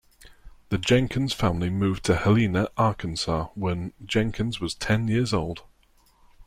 The Jenkins family moved to Helena, Arkansas, when Jenkins was ten years old.